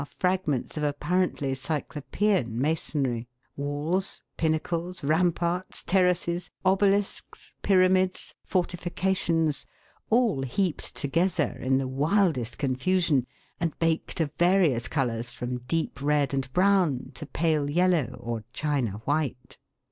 fragments of apparently Cyclopean masonry, walls, pin nacles, ramparts, terraces, obelisks, pyramids, fortifications, all heaped together in the wildest confusion, and baked of various colours from deep red and brown to pale yellow or china white.